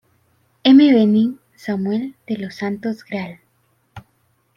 M. Bening, Samuel de los Santos, Gral.